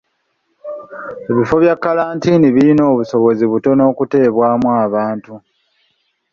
Ebifo bya kkalantiini birina obusobozi butono okuteebwamu abantu.